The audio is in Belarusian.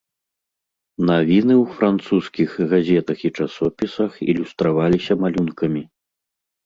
Навіны ў французскіх газетах і часопісах ілюстраваліся малюнкамі.